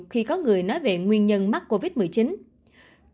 khi có người nói về nguyên nhân mắc covid một mươi chín